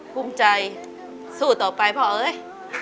ภูมิใจสู้ต่อไปพ่อเอ้ย